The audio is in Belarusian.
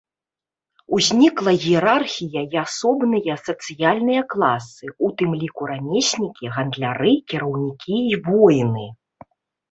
Узнікла іерархія і асобныя сацыяльныя класы, у тым ліку рамеснікі, гандляры, кіраўнікі і воіны.